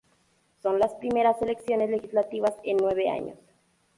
Son las primeras elecciones legislativas en nueve años.